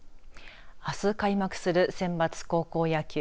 あす開幕するセンバツ高校野球。